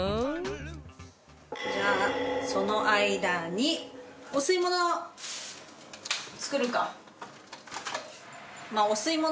じゃあその間にお吸い物作るか。